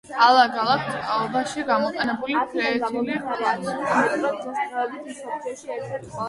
ალაგ-ალაგ წყობაში გამოყენებულია ფლეთილი ქვაც.